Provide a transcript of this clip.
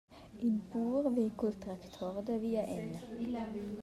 Il pur vegn cul tractor da via en.